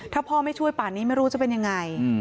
ถ้าพ่อไม่ช่วยป่านนี้ไม่รู้จะเป็นยังไง